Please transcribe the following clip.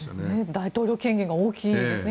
大統領権限が大きいですね